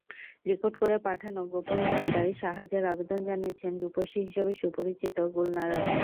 Record করে পাঠানো গোপন বার্তায় সাহায্যের আবেদন জানিয়েছেন রূপসী হিসেবে সুপরিচিত গুলনারা।